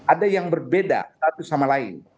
ada yang berbeda satu sama lain